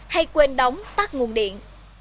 hay quên đóng tắt nguồn điện